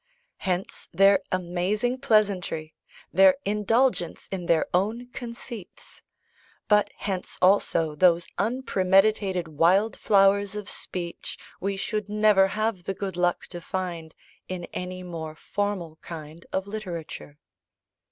Hence their amazing pleasantry, their indulgence in their own conceits; but hence also those unpremeditated wildflowers of speech we should never have the good luck to find in any more formal kind of literature.